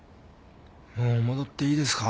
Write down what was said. もう戻っていいですか？